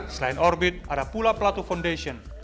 selain orbit ada pula pelatu foundation